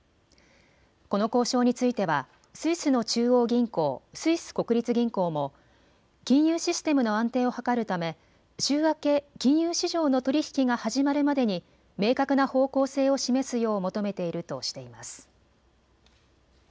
この交渉についてはスイスの中央銀行、スイス国立銀行も金融システムの安定を図るため週明け、金融市場の取り引きが始まるまでに明確な方向性を示すよう求めているとしています。